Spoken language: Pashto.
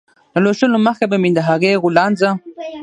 له لوشلو مخکې به مې د هغې غولانځه